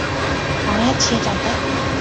講一次就得